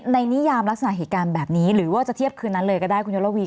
นิยามลักษณะเหตุการณ์แบบนี้หรือว่าจะเทียบคืนนั้นเลยก็ได้คุณยศระวี